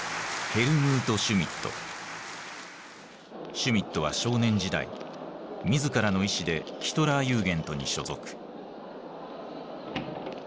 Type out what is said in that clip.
シュミットは少年時代自らの意志でヒトラーユーゲントに所属。